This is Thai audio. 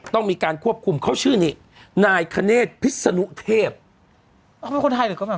ต้องมีการควบคุมเขาชื่อนี้นายคเนธพิษนุเทพเขาเป็นคนไทยหรือเขาแบบ